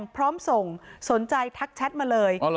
พร้อมส่งสนใจทักแชทมาเลย